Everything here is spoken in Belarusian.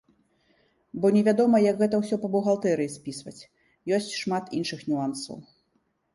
Бо невядома, як гэта ўсё па бухгалтэрыі спісваць, ёсць шмат іншых нюансаў.